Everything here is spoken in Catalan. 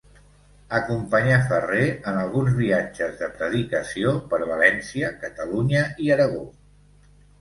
Acompanyà Ferrer en alguns viatges de predicació per València, Catalunya i Aragó.